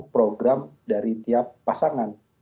program dari tiap pasangan